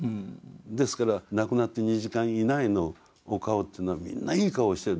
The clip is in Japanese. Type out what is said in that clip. ですから亡くなって２時間以内のお顔というのはみんないい顔をしてる。